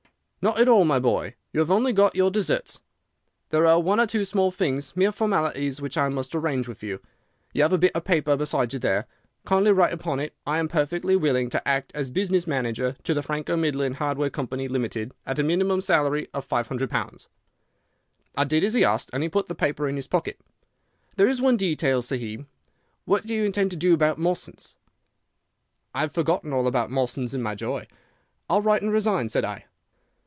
"'Not at all, my boy. You have only got your deserts. There are one or two small things—mere formalities—which I must arrange with you. You have a bit of paper beside you there. Kindly write upon it "I am perfectly willing to act as business manager to the Franco Midland Hardware Company, Limited, at a minimum salary of £500."' "I did as he asked, and he put the paper in his pocket. "'There is one other detail,' said he. 'What do you intend to do about Mawson's?' "I had forgotten all about Mawson's in my joy. 'I'll write and resign,' said I.